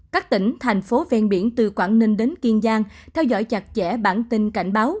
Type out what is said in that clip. các tỉnh thành phố ven biển từ quảng ninh đến kiên giang theo dõi chặt chẽ bản tin cảnh báo